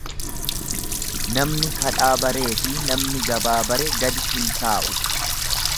Namni kadhaa bareefi namni gabaa bare gadi hin taa'u.